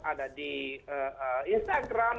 ada di instagram